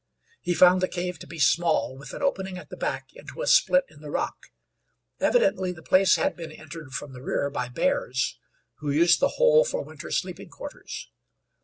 He found the cave to be small with an opening at the back into a split in the rock. Evidently the place had been entered from the rear by bears, who used the hole for winter sleeping quarters.